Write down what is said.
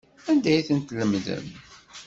Anda ay tent-tlemdem?